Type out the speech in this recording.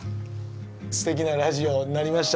すてきなラジオになりました